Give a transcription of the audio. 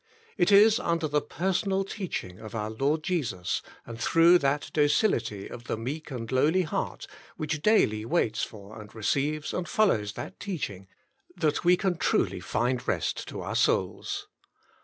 It Is Under the Personal Teaching op Our Lord Jesus, and Through That Docility of the Meek and Lowly Heart, Which Daily Waits FOR AND EeCEIVES AND FOLLOWS THAT TEACH ING, that we can truly find rest to our souls.